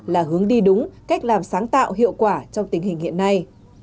là hướng đi đúng cách làm sáng tạo hiệu quả trong tình hình hiện nay